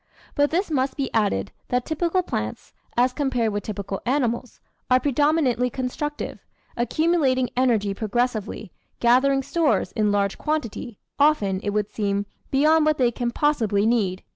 But this must be added, that typical plants, as compared with typical animals, are predominantly constructive, accumulating energy progressively, gathering stores in large quantity, often, it would seem, beyond what they can possibly need.